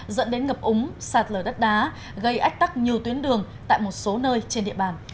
dẫn đến ngập úng sạt lở đất đá gây ách tắc nhiều tuyến đường tại một số nơi trên địa bàn